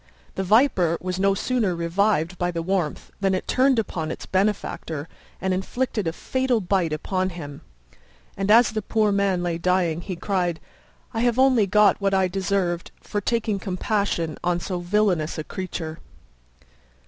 The Viper was no sooner revived by the warmth than it turned upon its benefactor and inflicted a fatal bite upon him; and as the poor man lay dying, he cried, "I have only got what I deserved, for taking compassion on so villainous a creature."